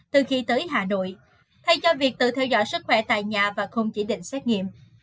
từ khi tới hà nội thay cho việc tự theo dõi sức khỏe tại nhà và không chỉ định xét nghiệm